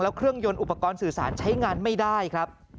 เครื่องยนต์อุปกรณ์สื่อสารใช้งานไม่ได้ครับ